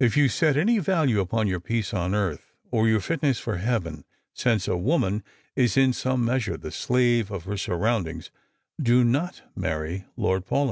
If you set any value upon your peace on earth, or your fitness for heaven, since a woman is in some measure the slave of her surround ings, do not marry Lord Paulyn.